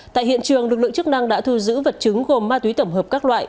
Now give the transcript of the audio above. tại hiện trường lực lượng chức năng đã thu giữ vật chứng gồm ma túy tổng hợp các loại